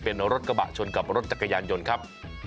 เป็นรถกระบะชนกับรถจักรยานยนต์ครับ